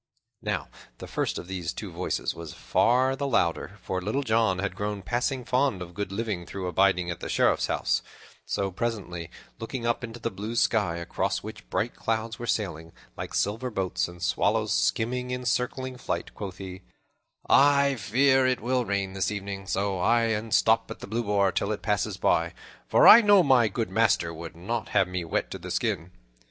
Now the first of these two voices was far the louder, for Little John had grown passing fond of good living through abiding at the Sheriff's house; so, presently, looking up into the blue sky, across which bright clouds were sailing like silver boats, and swallows skimming in circling flight, quoth he, "I fear me it will rain this evening, so I'll e'en stop at the Blue Boar till it passes by, for I know my good master would not have me wet to the skin."